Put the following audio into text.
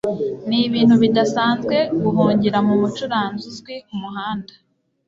Nibintu bidasanzwe guhungira mumucuranzi uzwi kumuhanda